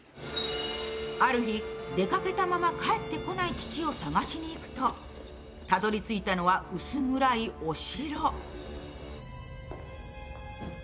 ある日、出かけたまま帰ってこない父を探しにいくとたどり着いたのは薄暗いお城。